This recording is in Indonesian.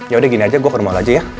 yaudah gini aja gue ke rumah lo aja ya